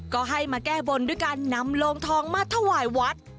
ก็ให้มาแก้บนด้วยการนำโลงทองมาถวายวัด